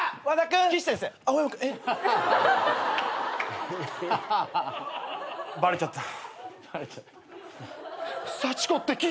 関係バレちゃった。